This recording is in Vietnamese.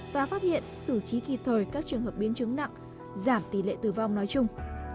và phát hiện xử trí kịp thời các trường hợp biến chứng nặng giảm tỷ lệ tử vong nói chung